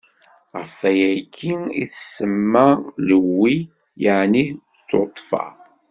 Ɣef wayagi i s-tsemma Lewwi, yeɛni tuṭṭfa.